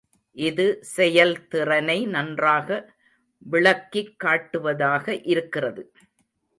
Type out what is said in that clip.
இது செயல்திறனை நன்றாக விளக்கிக்காட்டுவதாக இருக்கிறது.